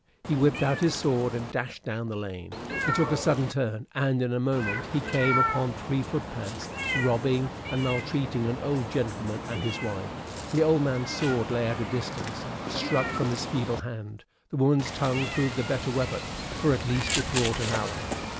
He whipped out his sword and dashed down the lane. It took a sudden turn, and in a moment he came upon three foot pads, robbing and maltreating an old gentleman and his wife. The old man's sword lay at a distance, struck from his feeble hand; the woman's tongue proved the better weapon, for, at least, it brought an ally.